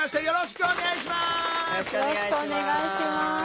よろしくお願いします。